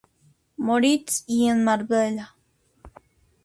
Moritz y en Marbella.